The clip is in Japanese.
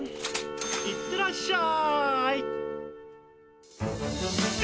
いってらっしゃい！